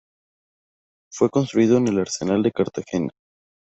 Fue construido en el Arsenal de Cartagena.